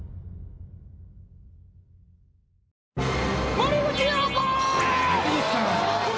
森口瑤子！